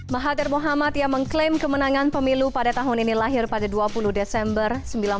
mahathir mohamad yang mengklaim kemenangan pemilu pada tahun ini lahir pada dua puluh desember seribu sembilan ratus empat puluh lima